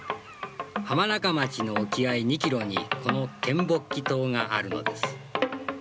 浜中町の沖合２ｋｍにこの嶮暮帰島があるのです。